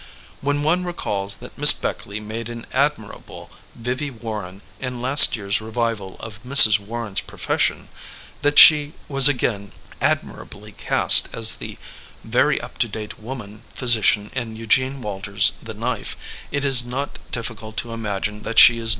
When one recalls that Miss Beckley made an admirable Vivie Warren in last year's revival of Mrs. Warren's Profession, that she was again admirably cast as the very up to date woman physician in Eugene Walter's The Knife, it is not difficult to imagine that she is not CHARACTERIZATION vs.